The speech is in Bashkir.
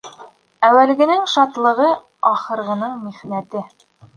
Әүәлгенең шатлығы ахырғының михнәте.